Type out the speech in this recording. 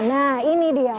nah ini dia